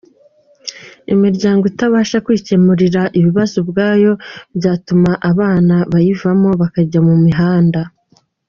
Imiryango izabasha kwicyemurira ibibazo ubwayo byatumaga abana bayivamo bakajya mu mihanda.